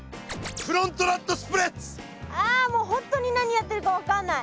ああもう本当に何やってるか分かんない。